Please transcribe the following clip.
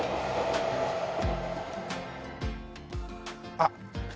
あっ。